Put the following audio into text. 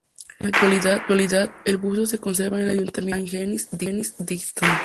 En la actualidad el busto se conserva en el ayuntamiento de Saint-Geniez-d'Olt.